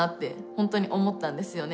本当に思ったんですよね。